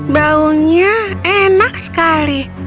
baunya enak sekali